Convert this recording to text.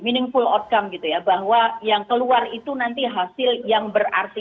meaningful outcome gitu ya bahwa yang keluar itu nanti hasil yang berarti